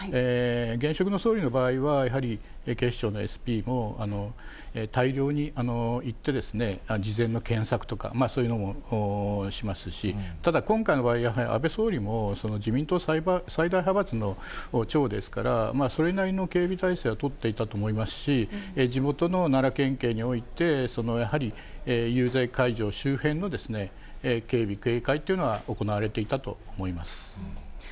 現職の総理の場合は、やはり警視庁のＳＰも、大量に行って事前の検索とか、そういうのもしますし、ただ今回の場合、やはり安倍総理も、自民党最大派閥の長ですから、それなりの警備体制は取っていたと思いますし、地元の奈良県警において、やはり遊説会場周辺の警備、警戒というのは行われていたと思います。